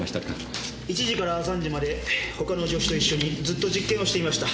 １時から３時まで他の助手と一緒にずっと実験をしていました。